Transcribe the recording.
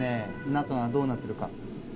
中がどうなってるか。